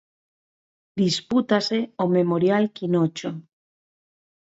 Dispútase o Memorial Quinocho.